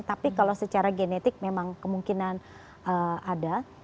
tapi kalau secara genetik memang kemungkinan ada